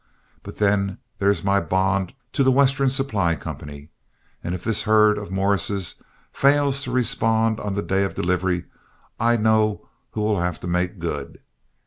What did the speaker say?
But then there's my bond to The Western Supply Company, and if this herd of Morris's fails to respond on the day of delivery, I know who will have to make good.